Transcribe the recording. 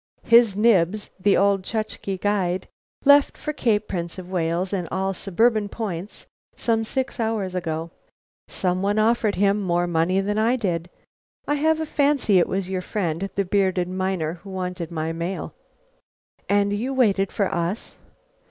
"His nibs, the old Chukche guide, left for Cape Prince of Wales and all suburban points some six hours ago. Some one offered him more money than I did. I have a fancy it was your friend, the bearded miner who wanted my mail." "And and you waited for us?"